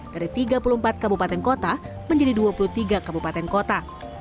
dari tiga puluh empat kabupaten kota menjadi dua puluh tiga kabupaten kota